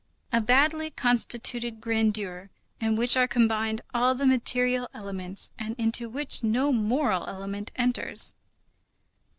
A badly constituted grandeur in which are combined all the material elements and into which no moral element enters.